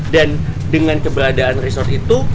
dan dengan keberadaan resort itu